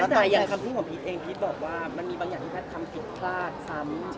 แต่อย่างคำพูดของพีชเองพีชบอกว่ามันมีบางอย่างที่แพทย์ทำผิดพลาดซ้ำ